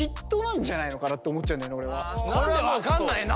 「何で分かんないの！」